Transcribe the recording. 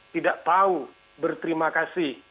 tidak tahu berterima kasih